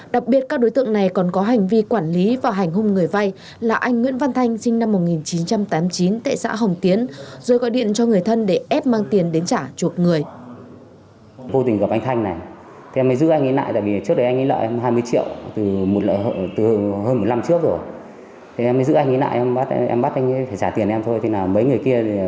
đặc biệt các đối tượng này còn có hành vi quản lý và hành hùng người vai là anh nguyễn văn thanh sinh năm một nghìn chín trăm tám mươi chín tại xã hồng tiến rồi gọi điện cho người thân để ép mang tiền đến trả chuột người